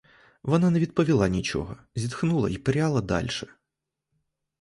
Вона не відповіла нічого; зітхнула й пряла дальше.